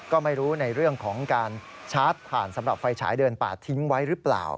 ก็ไม่รู้ในเรื่องของการชาร์จผ่านสำหรับไฟฉายเดินป่าทิ้งไว้หรือเปล่า